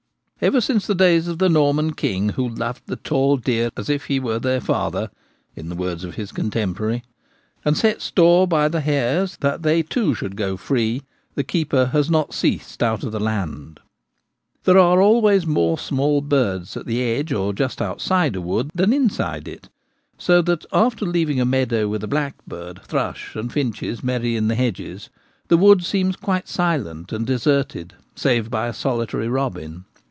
Ever since the days of the Norman King who loved the tall deer as if he were their father — in the words of his contemporary — and set store by the hares that they too should go free, the keeper has not ceased out of the land. There are always more small birds at the edge or just outside a wood than inside it ; so that after leaving a meadow with blackbird, thrush, and finches merry in the hedges, the wood seems quite silent and Haunts of Birds. 65 deserted save by a solitary robin.